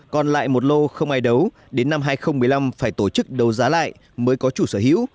còn lại một lô không ai đấu đến năm hai nghìn một mươi năm phải tổ chức đấu giá lại mới có chủ sở hữu